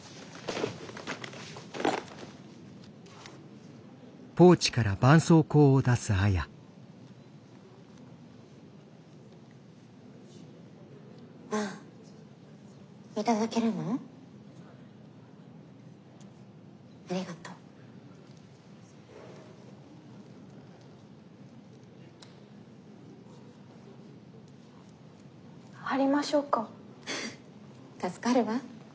助かるわ。